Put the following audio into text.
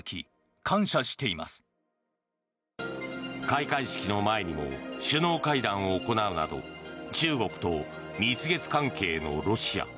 開会式の前にも首脳会談を行うなど中国と蜜月関係のロシア。